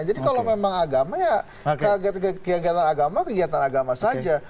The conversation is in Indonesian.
kalau memang agama ya kegiatan agama kegiatan agama saja